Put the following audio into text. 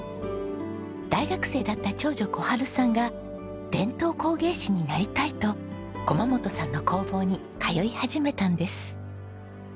大学生だった長女小春さんが伝統工芸士になりたいと駒本さんの工房に通い始めたんです。